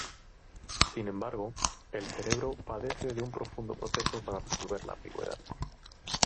Sin embargo, el cerebro padece de un profundo proceso para resolver la ambigüedad.